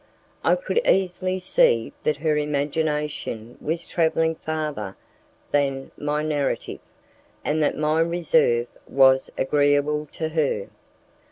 I could easily see that her imagination was travelling farther than my narrative, and that my reserve was agreeable to her.